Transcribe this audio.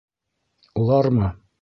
Улармы?..